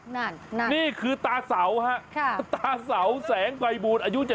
นั่นนี่คือตาเสาตาเสาแสงไกลภูมิอยู่๗๔